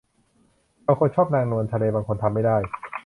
บางคนชอบนางนวลทะเลบางคนทำไม่ได้